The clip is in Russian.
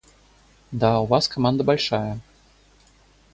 – Да у вас команда большая.